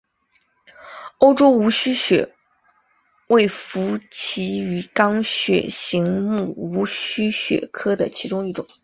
欧洲无须鳕为辐鳍鱼纲鳕形目无须鳕科的其中一种。